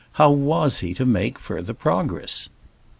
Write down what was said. How was he to make further progress?